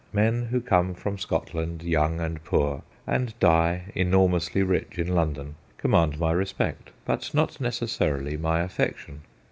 Men who come from Scotland young and poor, and die enormously rich in London, command my respect, but not necessarily my affection.